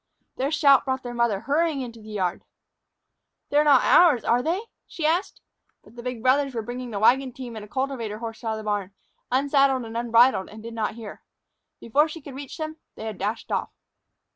Their shout brought their mother hurrying into the yard. "They're not ours, are they?" she asked. But the big brothers were bringing the wagon team and a cultivator horse out of the barn, unsaddled and unbridled, and did not hear. Before she could reach them, they had dashed off.